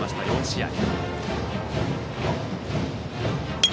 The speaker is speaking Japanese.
４試合。